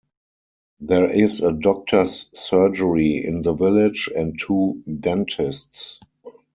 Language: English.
There is a doctor's surgery in the village, and two dentists.